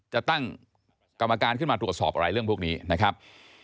จะตั้งกรรมการขึ้นมาตรวจสอบอะไรเรื่องพวกนี้นะครับ